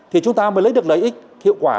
thì chúng ta mới lấy được lợi ích hiệu quả